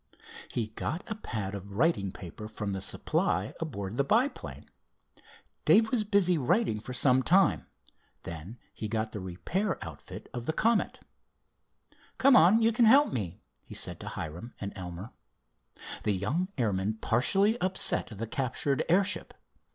He got a pad of writing paper from the supply aboard the biplane. Dave was busy writing for some time. Then he got the repair outfit of the Comet. "Come on, you can help me," he said to Hiram and Elmer. The young airman partially upset the captured airship.